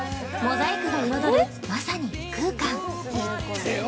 モザイクが彩るまさに異空間。